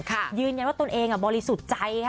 ยืนยันว่าตนเองบริสุทธิ์ใจค่ะ